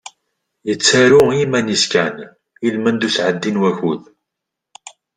Yettaru i yiman-is kan i lmend n usεeddi n wakud.